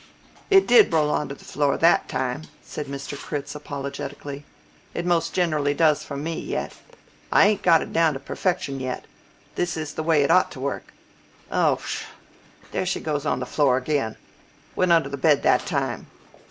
"It did roll onto the floor that time," said Mr. Critz apologetically. "It most generally does for me, yet. I ain't got it down to perfection yet. This is the way it ought to work oh, pshaw! there she goes onto the floor again! Went under the bed that time.